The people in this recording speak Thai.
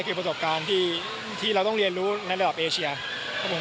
คือประสบการณ์ที่เราต้องเรียนรู้ในระดับเอเชียครับผม